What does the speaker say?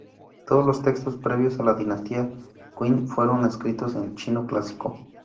Todos los textos previos a la dinastía Qin fueron escritos en chino clásico.